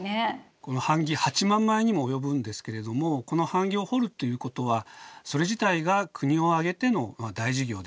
この版木８万枚にも及ぶんですけれどもこの版木を彫るということはそれ自体が国を挙げての大事業であると。